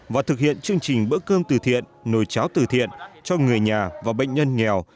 và thực hiện chương trình bữa cơm từ thiện nồi cháo từ thiện cho người nhà và bệnh nhân nghèo